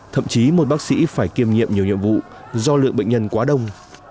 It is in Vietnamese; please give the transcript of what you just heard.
thậm chí một bác sĩ phải kiêm nhiệm nhiều nhiệm vụ do lượng bệnh nhân quá đông